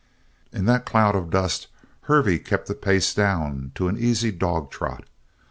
In that cloud of dust, Hervey kept the pace down to an easy dog trot.